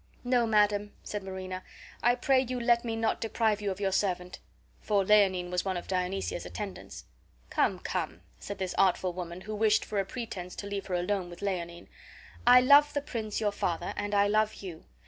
"No, madam," said Marina, "I pray you let me not deprive you of your servant"; for Leonine was one of Dionysia's attendants. "Come, come," said this artful woman, who wished for a pretense to leave her alone with Leonine, "I love the prince, your father, and I love you.